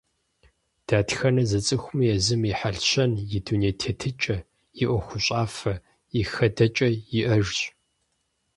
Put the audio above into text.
Дэтхэнэ зы цӏыхуми езым и хьэлщэн, и дуней тетыкӏэ, и ӏуэхущӏафэ, и хэдэкӏэ иӏэжщ.